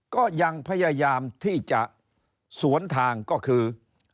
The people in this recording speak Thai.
ก็ยังพยายามที่จะสวนทางก็คือ